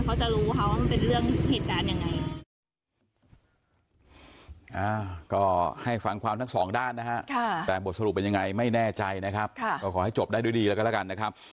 เขาจะรู้เขาว่ามันเป็นเรื่องเหตุการณ์ยังไง